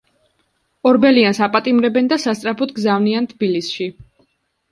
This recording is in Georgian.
ორბელიანს აპატიმრებენ და სასწრაფოდ გზავნიან თბილისში.